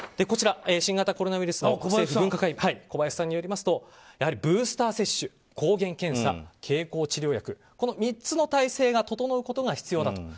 新型コロナウイルス政府分科会の小林さんによりますとブースター接種、抗原検査経口治療薬この３つの体制が整うことが重要。